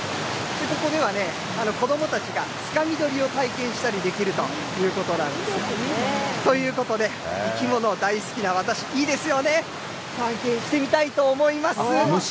ここではね、子どもたちがつかみ取りを体験したりできるということなんですよね。ということで、生き物大好きな私、いいですよね、体験してみたいと思います。